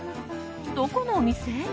どこのお店？